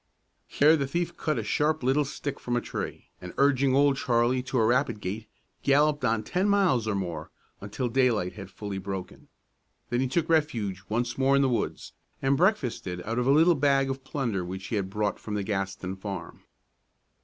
Here the thief cut a sharp little stick from a tree, and urging Old Charlie to a rapid gait, galloped on ten miles or more, until daylight had fully broken. Then he took refuge once more in the woods, and breakfasted out of a little bag of plunder which he had brought from the Gaston farm.